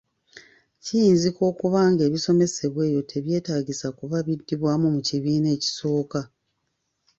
Kiyinzika okuba ng’ebibasomesebwa eyo tebyetaagisa kuba biddibwamu mu kibiina ekisooka.